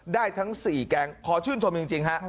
ได้ทั้ง๔แก๊งขอชื่นชมจริงฮะ